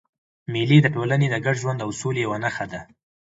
مېلې د ټولني د ګډ ژوند او سولي یوه نخښه ده.